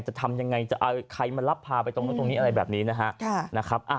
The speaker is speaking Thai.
จะทำยังไงจะเอาใครมารับพาไปตรงนู้นตรงนี้อะไรแบบนี้นะฮะ